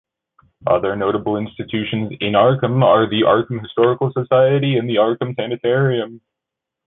Other notable institutions in Arkham are the Arkham Historical Society and the Arkham Sanitarium.